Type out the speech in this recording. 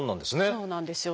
そうなんですよ。